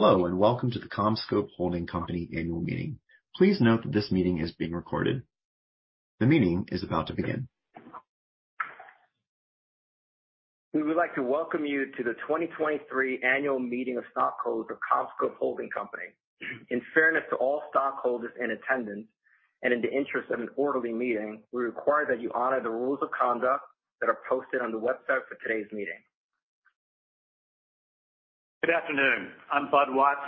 Hello, welcome to the Vistance Networks annual meeting. Please note that this meeting is being recorded. The meeting is about to begin. We would like to welcome you to the 2023 annual meeting of stockholders of Vistance Networks. In fairness to all stockholders in attendance, in the interest of an orderly meeting, we require that you honor the rules of conduct that are posted on the website for today's meeting. Good afternoon. I'm Bud Watts,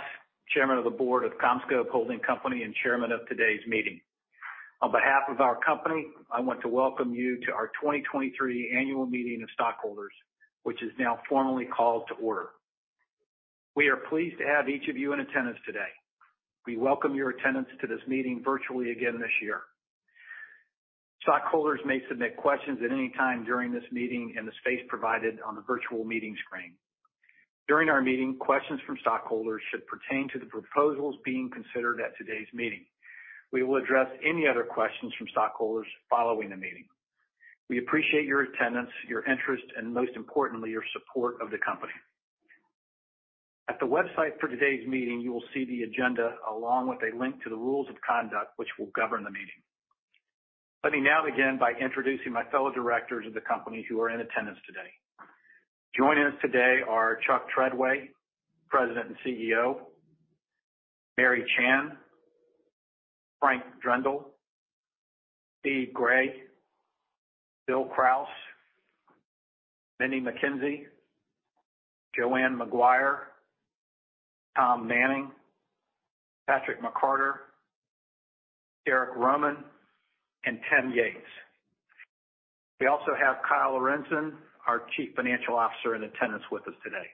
Chairman of the Board of Vistance Networks and chairman of today's meeting. On behalf of our company, I want to welcome you to our 2023 annual meeting of stockholders, which is now formally called to order. We are pleased to have each of you in attendance today. We welcome your attendance to this meeting virtually again this year. Stockholders may submit questions at any time during this meeting in the space provided on the virtual meeting screen. During our meeting, questions from stockholders should pertain to the proposals being considered at today's meeting. We will address any other questions from stockholders following the meeting. We appreciate your attendance, your interest, and most importantly, your support of the company. At the website for today's meeting, you will see the agenda along with a link to the rules of conduct, which will govern the meeting. Let me now begin by introducing my fellow directors of the company who are in attendance today. Joining us today are Chuck Treadway, President and CEO, Mary Chan, Frank Drendel, Steve Gray, Bill Krause, Mindy Mackenzie, Joanne Maguire, Tom Manning, Patrick McCarter, Derrick A. Roman, and Tim Yates. We also have Kyle Lorentzen, our Chief Financial Officer, in attendance with us today.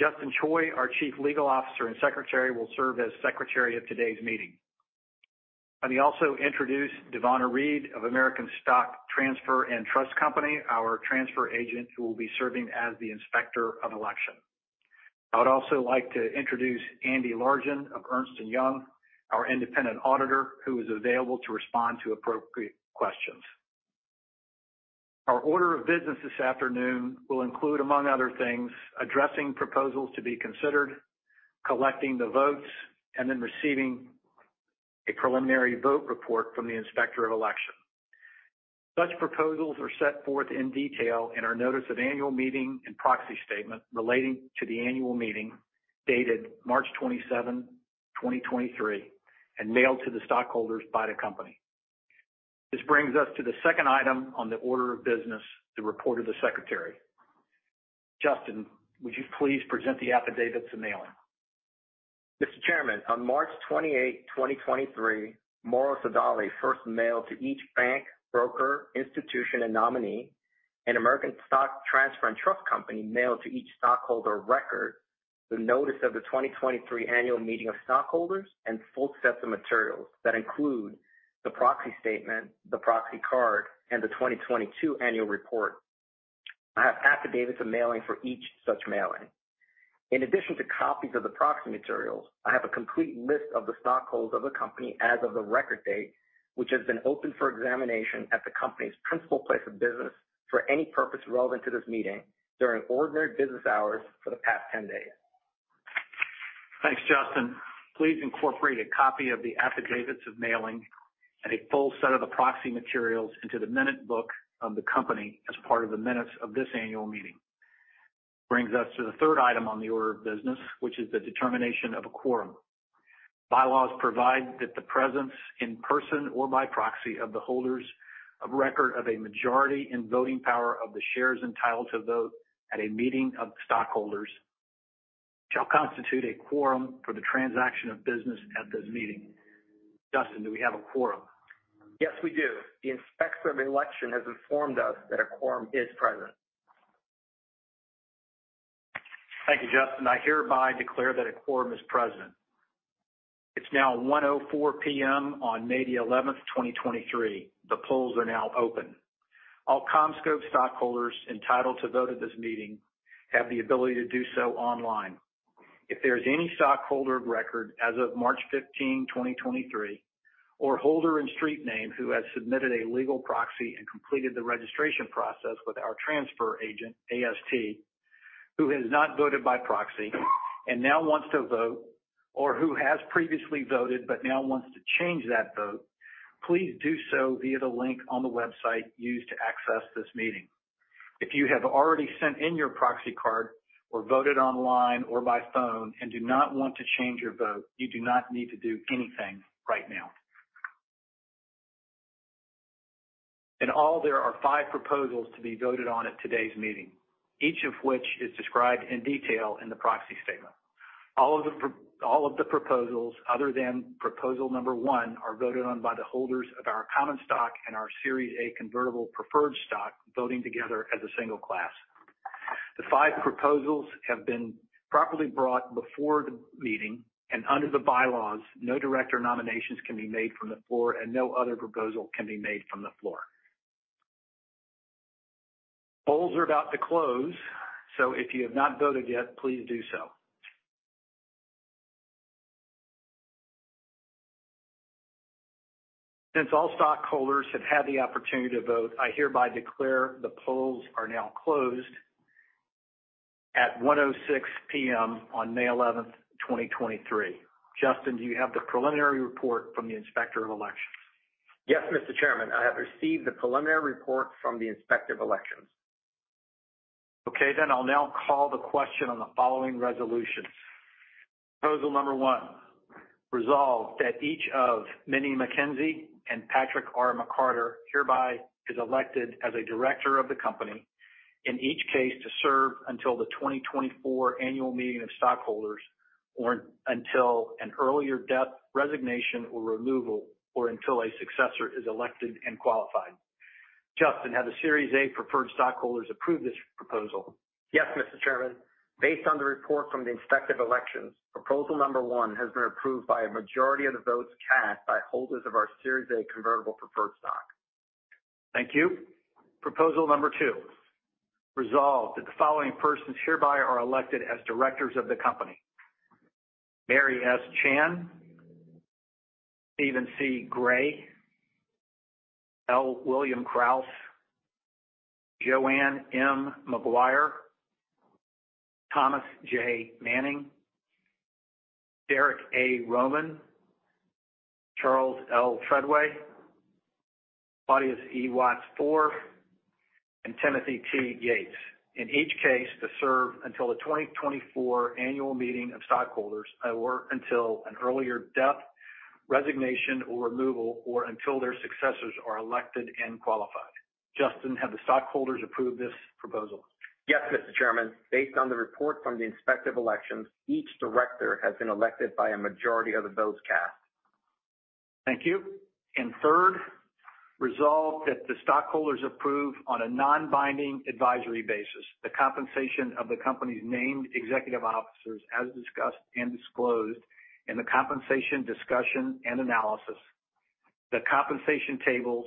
Justin Choi, our Chief Legal Officer and Secretary, will serve as secretary of today's meeting. Let me also introduce Devona Reed of American Stock Transfer & Trust Company, our transfer agent, who will be serving as the Inspector of Election. I would also like to introduce Andy Largent of Ernst & Young, our independent auditor, who is available to respond to appropriate questions. Our order of business this afternoon will include, among other things, addressing proposals to be considered, collecting the votes, and then receiving a preliminary vote report from the Inspector of Election. Such proposals are set forth in detail in our notice of annual meeting and proxy statement relating to the annual meeting, dated March 27, 2023, and mailed to the stockholders by the company. This brings us to the second item on the order of business, the report of the Secretary. Justin, would you please present the affidavits of mailing? Mr. Chairman, on March 28, 2023, Morrow Sodali first mailed to each bank, broker, institution, and nominee, and American Stock Transfer & Trust Company mailed to each stockholder of record the notice of the 2023 annual meeting of stockholders and full sets of materials that include the proxy statement, the proxy card, and the 2022 annual report. I have affidavits of mailing for each such mailing. In addition to copies of the proxy materials, I have a complete list of the stockholders of the company as of the record date, which has been open for examination at the company's principal place of business for any purpose relevant to this meeting during ordinary business hours for the past 10 days. Thanks, Justin. Please incorporate a copy of the affidavits of mailing and a full set of the proxy materials into the minute book of the company as part of the minutes of this annual meeting. Brings us to the third item on the order of business, which is the determination of a quorum. Bylaws provide that the presence in person or by proxy of the holders of record of a majority in voting power of the shares entitled to vote at a meeting of the stockholders shall constitute a quorum for the transaction of business at this meeting. Justin, do we have a quorum? Yes, we do. The Inspector of Election has informed us that a quorum is present. Thank you, Justin. I hereby declare that a quorum is present. It's now 1:04 P.M. on May the 11th, 2023. The polls are now open. All CommScope stockholders entitled to vote at this meeting have the ability to do so online. If there is any stockholder of record as of March 15, 2023, or holder in street name who has submitted a legal proxy and completed the registration process with our transfer agent, AST, who has not voted by proxy and now wants to vote or who has previously voted but now wants to change that vote, please do so via the link on the website used to access this meeting. If you have already sent in your proxy card or voted online or by phone and do not want to change your vote, you do not need to do anything right now. In all, there are five proposals to be voted on at today's meeting, each of which is described in detail in the proxy statement. All of the proposals, other than proposal number one, are voted on by the holders of our common stock and our Series A Convertible Preferred Stock, voting together as a single class. The five proposals have been properly brought before the meeting. Under the bylaws, no director nominations can be made from the floor and no other proposal can be made from the floor. Polls are about to close. If you have not voted yet, please do so. Since all stockholders have had the opportunity to vote, I hereby declare the polls are now closed at 1:06 P.M. on May 11, 2023. Justin, do you have the preliminary report from the Inspector of Elections? Yes, Mr. Chairman. I have received the preliminary report from the Inspector of Elections. Okay, I'll now call the question on the following resolutions. Proposal number one, resolved that each of Mindy Mackenzie and Patrick R. McCarter hereby is elected as a director of the company in each case to serve until the 2024 annual meeting of stockholders, or until an earlier death, resignation, or removal, or until a successor is elected and qualified. Justin, have the Series A Preferred Stockholders approved this proposal? Yes, Mr. Chairman. Based on the report from the Inspector of Elections, proposal number one has been approved by a majority of the votes cast by holders of our Series A Convertible Preferred Stock. Thank you. Proposal number two, resolved that the following persons hereby are elected as directors of the company. Mary S. Chan, Steven C. Gray, L. William Kraus, Joanne M. Maguire, Thomas J. Manning, Derrick A. Roman, Charles L. Treadway, Claudius E. Watts IV, and Timothy T. Yates. In each case to serve until the 2024 annual meeting of stockholders, or until an earlier death, resignation, or removal, or until their successors are elected and qualified. Justin, have the stockholders approved this proposal? Yes, Mr. Chairman. Based on the report from the Inspector of Elections, each director has been elected by a majority of the votes cast. Thank you. Third, resolved that the stockholders approve, on a non-binding advisory basis, the compensation of the company's named executive officers as discussed and disclosed in the compensation discussion and analysis, the compensation tables,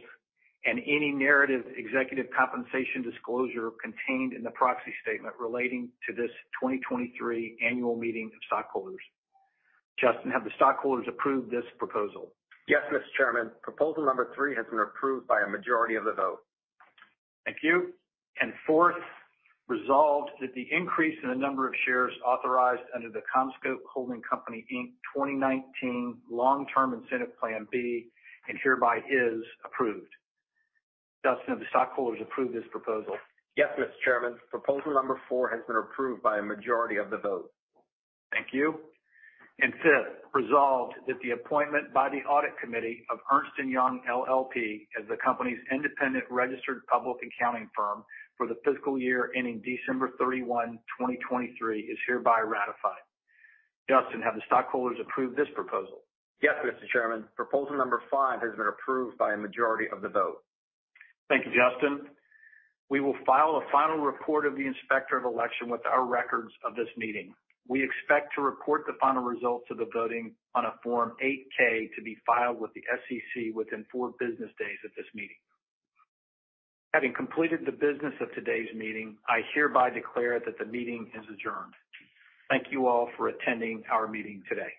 and any narrative executive compensation disclosure contained in the proxy statement relating to this 2023 annual meeting of stockholders. Justin, have the stockholders approved this proposal? Yes, Mr. Chairman. Proposal number three has been approved by a majority of the vote. Thank you. Fourth, resolved that the increase in the number of shares authorized under the CommScope Holding Company, Inc 2019 Long-Term Incentive Plan B and hereby is approved. Justin, have the stockholders approved this proposal? Yes, Mr. Chairman. Proposal number four has been approved by a majority of the vote. Thank you. Fifth, resolved that the appointment by the Audit Committee of Ernst & Young LLP as the company's independent registered public accounting firm for the fiscal year ending December 31, 2023, is hereby ratified. Justin, have the stockholders approved this proposal? Yes, Mr. Chairman. Proposal number five has been approved by a majority of the vote. Thank you, Justin. We will file a final report of the Inspector of Election with our records of this meeting. We expect to report the final results of the voting on a Form 8-K to be filed with the SEC within four business days of this meeting. Having completed the business of today's meeting, I hereby declare that the meeting is adjourned. Thank you all for attending our meeting today.